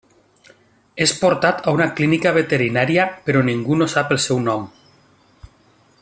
És portat a una clínica veterinària però ningú no sap el seu nom.